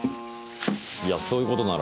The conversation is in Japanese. いやそういうことなら。